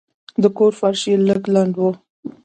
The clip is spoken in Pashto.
د کور فرش یې لږ لند و.